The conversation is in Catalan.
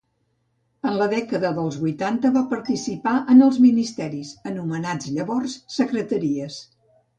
En la dècada dels vuitanta va participar en els ministeris, anomenats llavors secretaries.